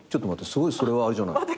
すごいそれはあれじゃない。